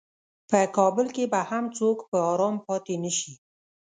په کابل کې به هم څوک په ارام پاتې نشي.